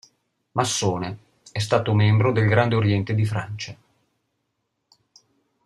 Massone, è stato membro del Grande Oriente di Francia.